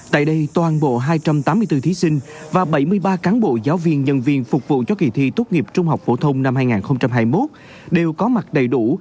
tại đây toàn bộ hai trăm tám mươi bốn thí sinh và bảy mươi ba cán bộ giáo viên nhân viên phục vụ cho kỳ thi tốt nghiệp trung học phổ thông năm hai nghìn hai mươi một đều có mặt đầy đủ